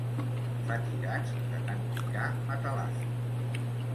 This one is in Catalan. Fatigats de tant picar matalassos.